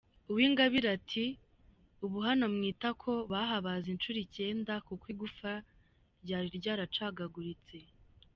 Uwingabire ati “Ubu hano mu itako bahabaze inshuro icyenda kuko igufa ryari ryaracagaguritse.